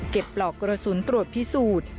ปลอกกระสุนตรวจพิสูจน์